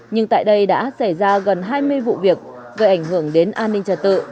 nhưng tại đây đã xảy ra gần hai mươi vụ việc gây ảnh hưởng đến an ninh trật tự